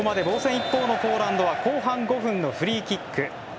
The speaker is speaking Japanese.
一方のポーランドは後半５分のフリーキック。